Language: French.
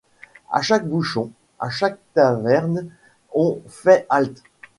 A chaque bouchon, à chaque taverne on fait halte.